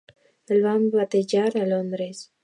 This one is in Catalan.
El van batejar a Londres.